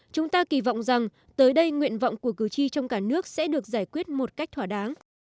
chúng ta kỳ vọng rằng tới đây nguyện vọng của cử tri trong cả nước sẽ được giải quyết một cách thỏa đáng